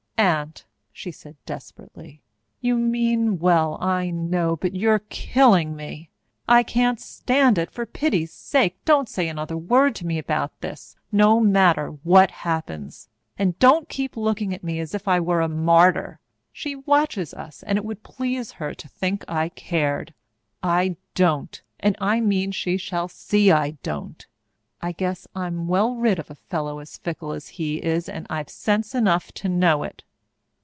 "Aunt," she said desperately, "you mean well, I know, but you're killing me! I can't stand it. For pity's sake, don't say another word to me about this, no matter what happens. And don't keep looking at me as if I were a martyr! She watches us and it would please her to think I cared. I don't and I mean she shall see I don't. I guess I'm well rid of a fellow as fickle as he is, and I've sense enough to know it."